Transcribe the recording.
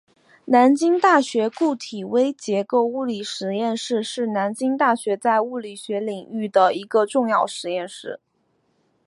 南京大学固体微结构物理实验室是南京大学在物理学领域的一个重要实验室。